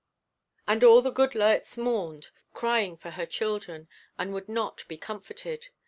And all Goodloets mourned, crying for her children, and would not be comforted.